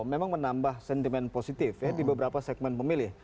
memang menambah sentimen positif ya di beberapa segmen pemilih